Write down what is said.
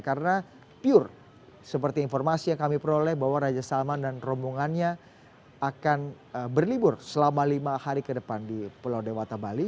karena pure seperti informasi yang kami peroleh bahwa raja salman dan rombongannya akan berlibur selama lima hari ke depan di pulau dewata bali